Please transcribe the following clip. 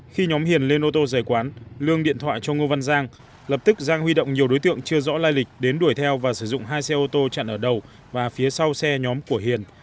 khi nhóm hiền lên ô tô giải quán lương điện thoại cho ngô văn giang lập tức giang huy động nhiều đối tượng chưa rõ lai lịch đến đuổi theo và sử dụng hai xe ô tô chặn ở đầu và phía sau xe nhóm của hiền